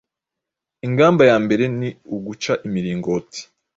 Ingamba ya mbere ni uguca imiringoti